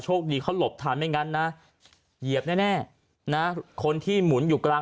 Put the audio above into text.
คดีเขาหลบทันไม่งั้นนะเหยียบแน่นะคนที่หมุนอยู่กลาง